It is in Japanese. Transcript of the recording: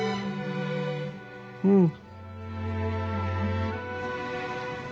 うん。